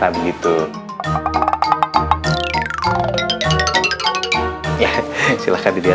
oke saya pelajari dulu ya